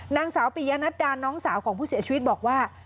นางสาวปียะนัดดาน้องสาวของผู้เสียชีวิตบอกว่า